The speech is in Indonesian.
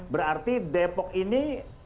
berarti depok ini